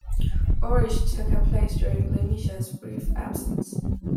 Orish took her place during LeMisha's brief absence.